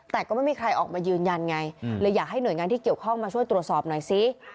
แต่ก็ไม่มีใครออกมายืนยันไงเลยอยากให้หน่วยงานที่เกี่ยวข้องมาช่วยตรวจสอบหน่อยซิ